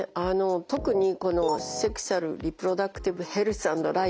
特にこの「セクシュアル・リプロダクティブ・ヘルス＆ライツ」